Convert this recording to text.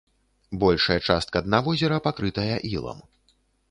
Большая частка дна возера пакрытая ілам.